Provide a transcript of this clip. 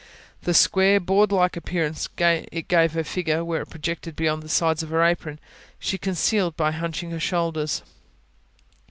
The square, board like appearance it gave her figure, where it projected beyond the sides of her apron, she concealed by hunching her shoulders.